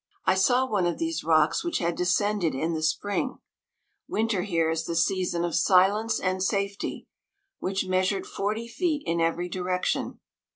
I saw one of these rocks which had descended in the spring, (winter here is the season of silence and safety) which measured forty feet in every direction.